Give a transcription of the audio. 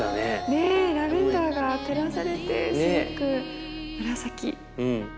ねえラベンダーが照らされてすごく紫。